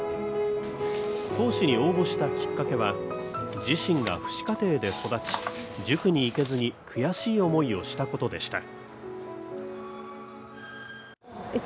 講師に応募したきっかけは、自身が父子家庭で育ち、塾に行けずに悔しい思いをしたことでした。